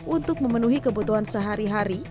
untuk memenuhi kebutuhan sehari hari